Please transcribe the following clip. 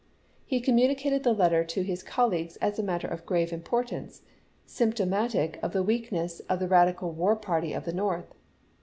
He communicated the letter to his colleagues as a matter of gi'ave importance, symp tomatic of the weakness of the radical war party of the North.